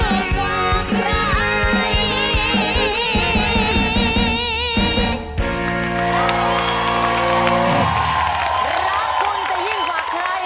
รักคุณจะยิ่งกว่าใครขอบคุณครับ